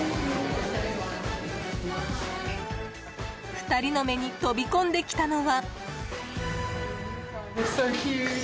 ２人の目に飛び込んできたのは。